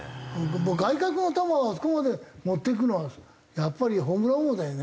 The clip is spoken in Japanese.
もう外角の球をあそこまで持っていくのはやっぱりホームラン王だよね。